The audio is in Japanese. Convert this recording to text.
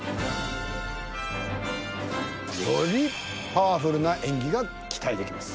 よりパワフルな演技が期待できます。